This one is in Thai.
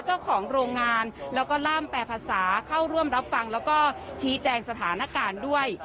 เจ้าของโรงงานแล้วก็ล่ามแปรภาษาเข้าร่วมรับฟังแล้วก็ชี้แจงสถานการณ์ด้วย